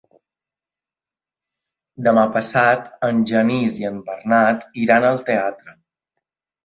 Demà passat en Genís i en Bernat iran al teatre.